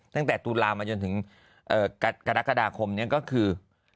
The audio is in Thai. ตั้งแต่ตุลามาจนถึงกรกฎาคมนี้ก็คือ